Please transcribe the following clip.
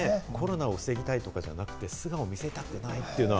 コロナを防ぎたいとかじゃなくて、素顔を見せたくない。